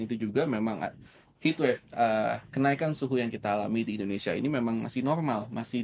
itu juga memang heat wave kenaikan suhu yang kita alami di indonesia ini memang masih normal